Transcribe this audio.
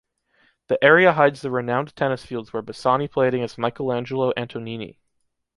The area hides the renowned tennis fields where Bassani played against Michelangelo Antonioni.